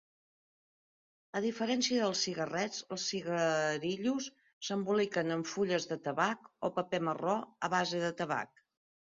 A diferència dels cigarrets, els "cigarillos" s'emboliquen en fulles de tabac o paper marró a base de tabac.